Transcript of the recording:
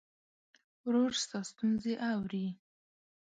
ورور ستا ستونزې اوري.